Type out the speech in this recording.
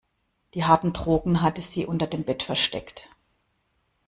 Die harten Drogen hatte sie unter dem Bett versteckt.